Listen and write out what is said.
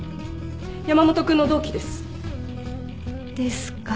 山本君の同期です。ですか。